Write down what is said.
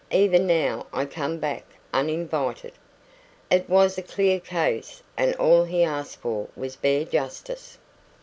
Even now I come back uninvited." It was a clear case, and all he asked for was bare justice.